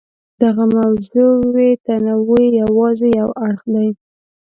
دغه موضوعي تنوع یې یوازې یو اړخ دی.